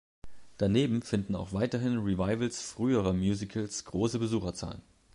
Daneben finden auch weiterhin Revivals früherer Musicals große Besucherzahlen.